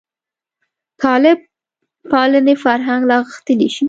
طالب پالنې فرهنګ لا غښتلی شي.